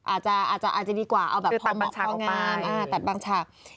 อาจจะดีกว่าเอาแบบพอเหมาะพองามตัดบางฉากออกไป